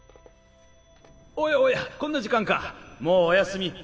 おやおやこんな時間かもうお休み